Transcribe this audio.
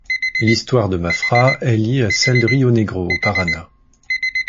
L'histoire de Mafra est liée à celle de Rio Negro, au Paraná.